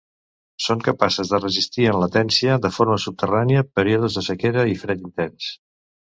Són capaces de resistir en latència de forma subterrània períodes de sequera i fred intens.